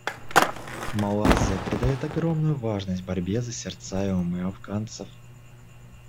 Малайзия придает огромную важность борьбе за сердца и умы афганцев.